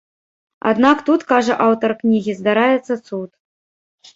Аднак тут, кажа аўтар кнігі, здараецца цуд.